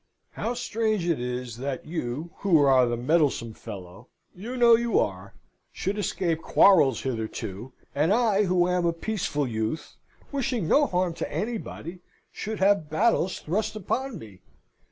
"How strange it is that you who are the mettlesome fellow (you know you are) should escape quarrels hitherto, and I, who am a peaceful youth, wishing no harm to anybody, should have battles thrust upon me!